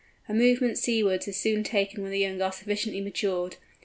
A movement seawards is soon taken when the young are sufficiently matured.